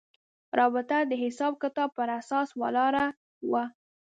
رابطه د حساب کتاب پر اساس ولاړه وه.